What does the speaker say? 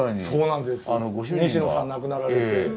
西野さん亡くなられて。